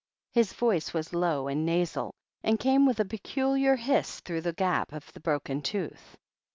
His voice was low and nasal, and came with a peculiar hiss through the gap of the broken tooth.